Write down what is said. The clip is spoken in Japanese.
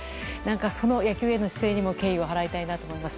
その野球への姿勢にも敬意を払いたいと思います。